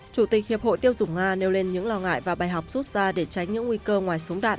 chủ tịch hiệp hội tiêu dùng nga nêu lên những lo ngại và bài học rút ra để tránh những nguy cơ ngoài súng đạn